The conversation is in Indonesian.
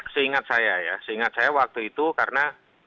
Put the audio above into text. seingat saya ya seingat saya waktu itu karena